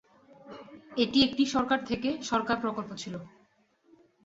এটি একটি সরকার-থেকে-সরকার প্রকল্প ছিল।